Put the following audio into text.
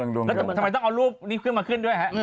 แล้วทำไมต้องเอารูปนี้ขึ้นมาขึ้นด้วยฮะ